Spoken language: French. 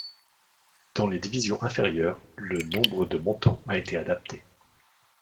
Dans les divisions inférieures, le nombre de montants a été adapté.